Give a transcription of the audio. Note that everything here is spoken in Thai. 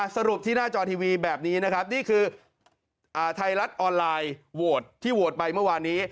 สรุปที่หน้าจอทีวีแบบนี้นะครับนี่คือไทยรัฐออนไลน์โหวตที่โหวตไปเมื่อวานนี้